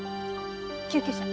救急車。